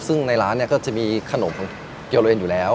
ซึ่งในร้านก็จะมีขนมเกลียวละเอ็นอยู่แล้ว